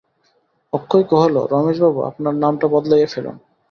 অক্ষয় কহিল, রমেশবাবু, আপনার নামটা বদলাইয়া ফেলুন।